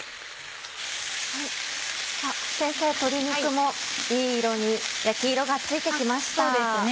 先生鶏肉もいい色に焼き色がついて来ました。